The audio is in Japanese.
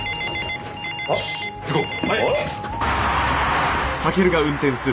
よし行こう。